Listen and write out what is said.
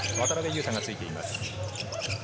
渡邊雄太がついています。